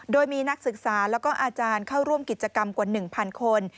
โดยมีนักศึกษาแล้วก็อาจารย์เข้าร่วมกิจกรรมกว่า๑๐๐คน